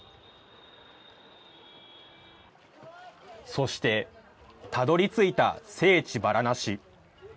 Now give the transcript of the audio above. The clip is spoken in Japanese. そしてたどりついた聖地バラナシ。